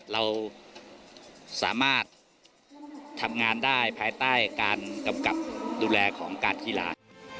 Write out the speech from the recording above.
เราสามารถทำงานได้ภายใต้การกำกับดูแลของการกีฬา